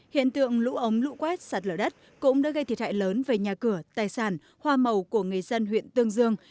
hiện tượng lũ ống lũ quét sạt lở đất cũng đã gây thiệt hại lớn về nhà cửa tài sản hoa màu của người dân huyện tương dương